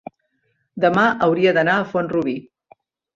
demà hauria d'anar a Font-rubí.